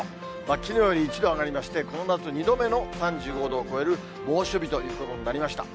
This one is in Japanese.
きのうより１度上がりまして、この夏２度目の３５度を超える猛暑日ということになりました。